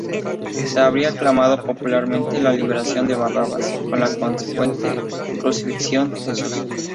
Se habría aclamado popularmente la liberación de Barrabás, con la consecuente crucifixión de Jesús.